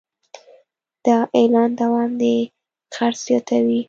د اعلان دوام د خرڅ زیاتوي.